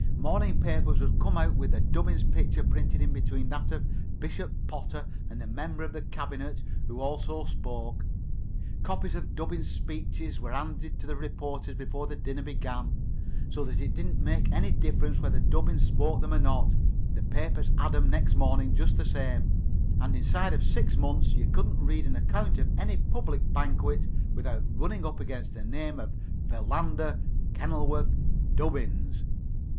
Morning papers would come out with Dubbins's picture printed in between that of Bishop Potter and a member of the cabinet, who also spoke. Copies of Dubbins's speeches were handed to the reporters before the dinner began, so that it didn't make any difference whether Dubbins spoke them or not the papers had 'em next morning just the same, and inside of six months you couldn't read an account of any public banquet without running up against the name of Philander Kenilworth Dubbins."